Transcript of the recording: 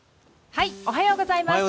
おはようございます。